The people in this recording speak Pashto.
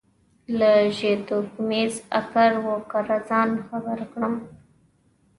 له ژبتوکمیز اکر و کره ځان خبر کړم.